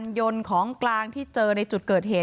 แล้วก็ช่วยกันนำนายธีรวรรษส่งโรงพยาบาล